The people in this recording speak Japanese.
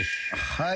はい。